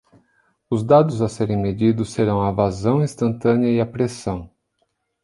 Os dados a serem medidos serão a vazão instantânea e a pressão.